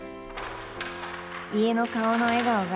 家の顔の笑顔が